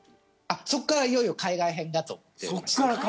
そこからいよいよ海外編だと思って。